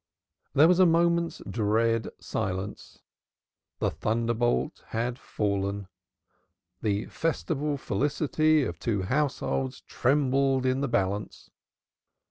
There was a moment's dread silence. The thunderbolt had fallen. The festival felicity of two households trembled in the balance.